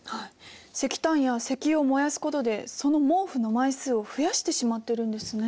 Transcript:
石炭や石油を燃やすことでその毛布の枚数を増やしてしまってるんですね。